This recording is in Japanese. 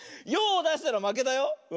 ヨーをだしたらまけだよ。